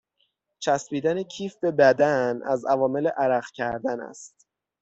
چسبیدن کیف به بدن، از عوامل عرق کردن است